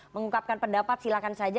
mengungkapkan pendapat silahkan saja